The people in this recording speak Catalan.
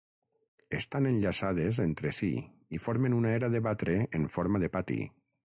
Estan enllaçades entre si i formen una era de batre en forma de pati.